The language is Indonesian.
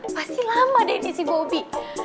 pasti lama deh ini si bobi